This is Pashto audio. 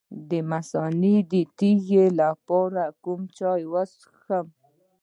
د مثانې د تیږې لپاره کوم چای وڅښم؟